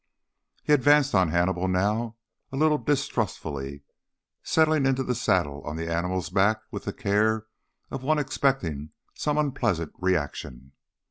He advanced on Hannibal now a little distrustfully, settling into the saddle on the animal's back with the care of one expecting some unpleasant reaction.